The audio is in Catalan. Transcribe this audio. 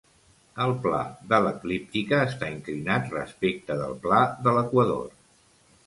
El pla de l'eclíptica està inclinat respecte del pla de l'equador.